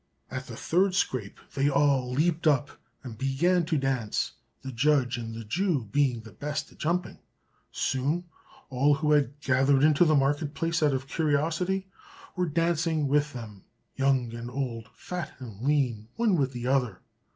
At the third scrape they all leaped up and began to dance; the judge and the Jew being the best at jumping. Soon all who had gathered in the market place out of curiosity were dancing with them; old and young, fat and lean, one with another.